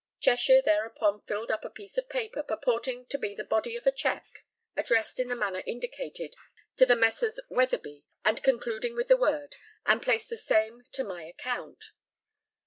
Cheshire thereupon filled up a piece of paper purporting to be the body of a cheque, addressed in the manner indicated to the Messrs. Weatherby, and concluding with the words, "and place the same to my account."